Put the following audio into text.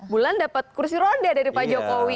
bulan dapat kursi roda dari pak jokowi